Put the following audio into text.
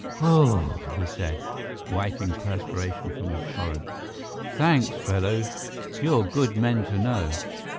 "Whew!" he said, wiping perspiration from his forehead. "Thanks, fellows! You're good men to know!